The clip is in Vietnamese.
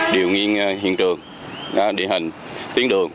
điều nghiên hiện trường địa hình tiến đường